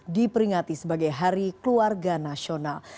diperingati sebagai hari keluarga nasional